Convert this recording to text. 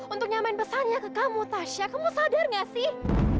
untuk nyamain pesannya ke kamu tasya kamu sadar gak sih